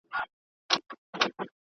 خلک باید غوښه په اعتدال وخوري.